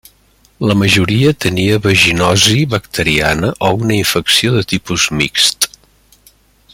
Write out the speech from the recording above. La majoria tenia vaginosi bacteriana o una infecció de tipus mixt.